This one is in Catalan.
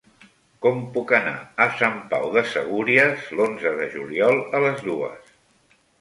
Com puc anar a Sant Pau de Segúries l'onze de juliol a les dues?